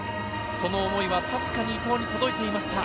その思いは確かに届いていました。